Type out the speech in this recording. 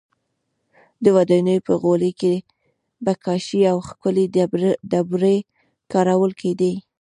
د ودانیو په غولي کې به کاشي او ښکلې ډبرې کارول کېدې